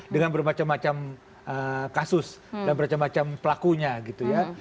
dengan bermacam macam kasus dan bercam macam pelakunya gitu ya